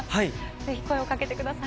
ぜひ声をかけてください。